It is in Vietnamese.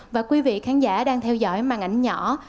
và quý vị khán giả đang theo dõi màn ảnh nhỏ